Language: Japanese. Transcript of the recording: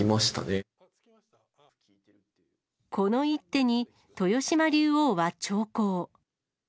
この一手に豊島竜王は長考。